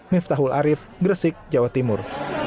miftahul arief gresik jawa timur